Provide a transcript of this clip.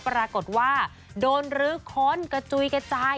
ปรากฏว่าโดนรื้อค้นกระจุยกระจาย